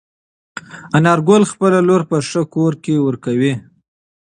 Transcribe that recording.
انارګل خپله لور په ښه کور کې ورکوي.